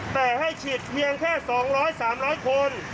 แต่ให้ฉีดเพียงแค่๒๐๐๓๐๐คน